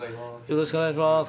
よろしくお願いします。